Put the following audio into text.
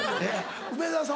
梅沢さん